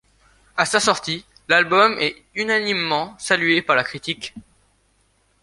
À sa sortie, l'album est unanimement salué par la critique.